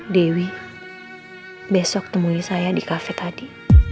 dewi besok temui saya di kafe tadi